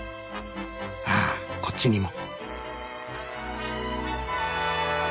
ああこっちにも。